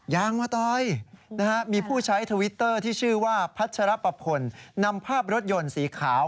ยางมะตอยมีผู้ใช้ทวิตเตอร์ที่ชื่อว่าพัชรปพลนำภาพรถยนต์สีขาว